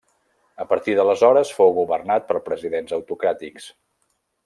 A partir d'aleshores fou governat per presidents autocràtics.